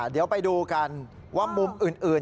เดี๋ยวไปดูกันว่ามุมอื่น